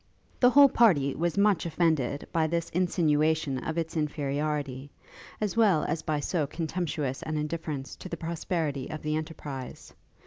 The whole party was much offended by this insinuation of its inferiority, as well as by so contemptuous an indifference to the prosperity of the enterprize.